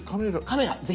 カメラぜひ。